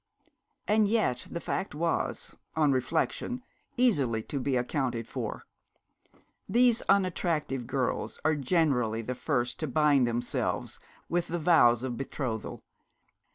And yet the fact was, on reflection, easily to be accounted for. These unattractive girls are generally the first to bind themselves with the vows of betrothal.